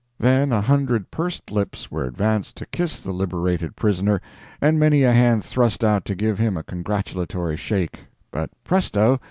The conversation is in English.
Then a hundred pursed lips were advanced to kiss the liberated prisoner, and many a hand thrust out to give him a congratulatory shake but presto!